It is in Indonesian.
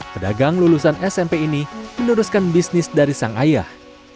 pedagang lulusan smp ini meneruskan bisnis dari sang ayah